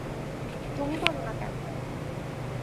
তুমি বল না কেন।